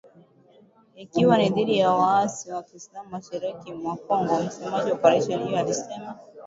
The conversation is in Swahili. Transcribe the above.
Ikiwa ni dhidi ya waasi wa kiislam mashariki mwa Kongo msemaji wa operesheni hiyo alisema.